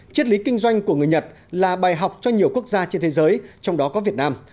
chiết lý kinh doanh của người nhật là bài học cho nhiều quốc gia trên thế giới trong đó có việt nam